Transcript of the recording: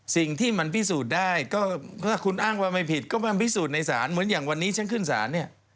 สิ่งที่มันพิสูจน์ได้ก็เมื่อคุณอ้างว่าไม่ผิดก็มาพิสูจน์ในศาลเหมือนอย่างวันนี้ฉันขึ้นศาลเนี่ย